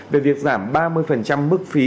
về việc giảm ba mươi mức phí